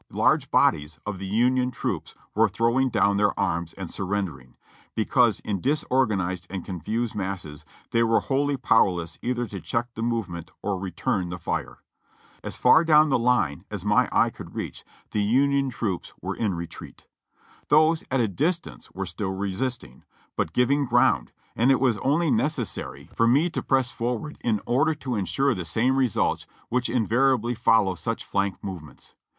Large bodies of the Union troops were throwing down their arms and surrendering, because in disorganized and confused masses they were wholly powerless either to check the movement or return the fire. As far down the lines as my eye could reach, the Union troops were in retreat. Those at a distance were still resisting, but giving ground, and it was only necessary for me GETTYSBURG 399 to press forward in order to insure the same results which invar iably follow such flank movements.